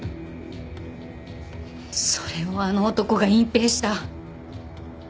それをあの男が隠蔽した。